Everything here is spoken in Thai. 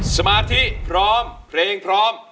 สมาธิพร้อมเพลงพร้อม